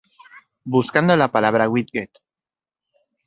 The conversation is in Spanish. Buscando la palabra widget.